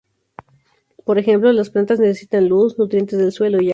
Por ejemplo, las plantas necesitan luz, nutrientes del suelo y agua.